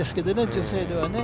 女性ではね。